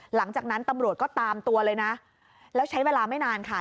หลังจากนั้นตำรวจก็ตามตัวเลยนะแล้วใช้เวลาไม่นานค่ะ